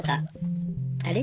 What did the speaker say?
「あれ？